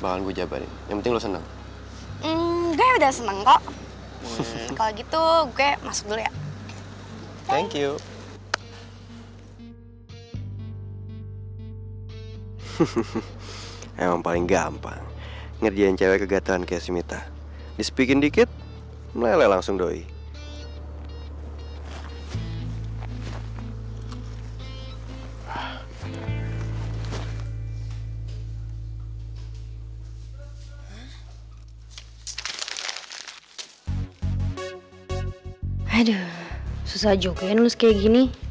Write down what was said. hai hai hai hai hai hai ada susah jokain musik gini